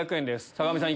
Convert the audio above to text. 坂上さん